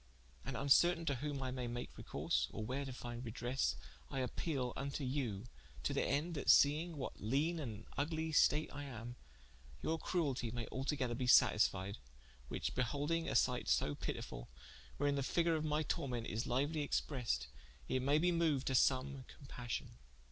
And vncertaine to whom I may make recourse, or where to finde redresse, I appeale vnto you, to thende that seing in what leane and vglie state I am, your cruelty maye altogether be satisfied, which beholdinge a sighte so pitifull, wherein the figure of my tormente is liuely expressed, it may be moued to some compassion.